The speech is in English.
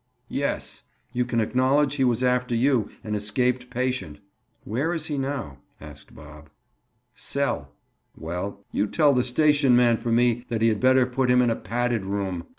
"Yes, you can acknowledge he was after you, an escaped patient." "Where is he now?" asked Bob. "Cell." "Well, you tell the station man for me that he had better put him in a padded room.